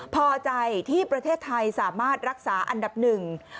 พอใจที่ประเทศไทยสามารถรักษาอันดับหนึ่ง